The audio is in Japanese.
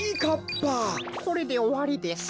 これでおわりです。